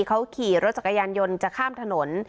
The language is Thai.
เขาขี่รถจักรยานยนต์จะข้ามถนน